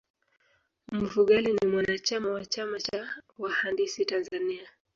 mfugale ni mwanachama wa chama cha wahandisi tanzania